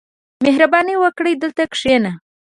• مهرباني وکړه، دلته کښېنه.